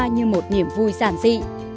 như một niềm vui giản dị